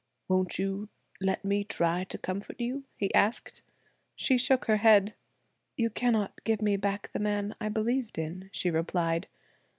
"Won't you let me try to comfort you?" he asked. She shook her head. "You cannot give me back the man I believed in," she replied.